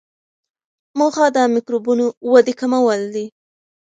موخه د میکروبونو ودې کمول وي.